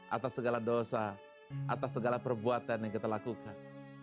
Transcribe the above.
atas segala dosa atas segala perbuatan yang kita lakukan